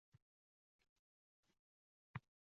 Ohangaronlik pensionerlar muammolari tizimli hal etiladi